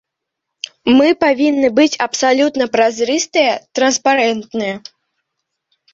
Мы павінны быць абсалютна празрыстыя, транспарэнтныя.